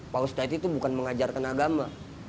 power study itu bukan mengajarkan agama